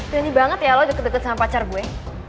dini banget ya lo deket dua sama pacar gue